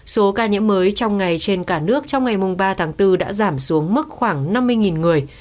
số ca nhiễm mới trong ngày trên cả nước trong ngày ba tháng bốn đã giảm xuống mức khoảng năm mươi người